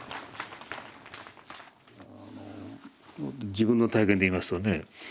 自分の体験で言いますとね